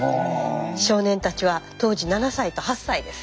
少年たちは当時７歳と８歳です。